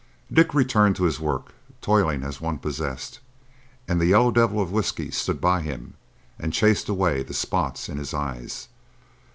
Dick returned to his work, toiling as one possessed; and the yellow devil of whiskey stood by him and chased away the spots in his eyes.